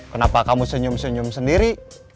kenapa kamu senyum senyum sendiri